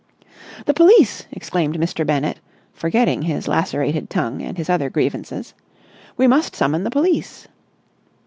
"The police!" exclaimed Mr. Bennett, forgetting his lacerated tongue and his other grievances. "We must summon the police!"